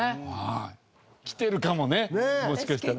来てるかもねもしかしたら。